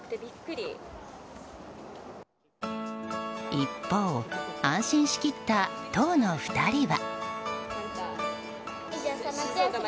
一方、安心しきった等の２人は。